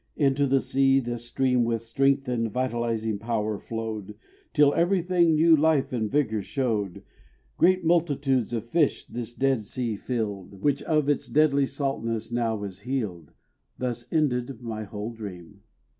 Into the sea this stream With strength and vitalising power flowed, Till everything new life and vigour showed. Great multitudes of fish this dead sea filled, Which of its deadly saltness now was healed. Thus ended my whole dream.